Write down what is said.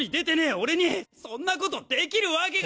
俺にそんなことできるわけが。